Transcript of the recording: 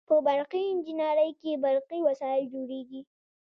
په برقي انجنیری کې برقي وسایل جوړیږي.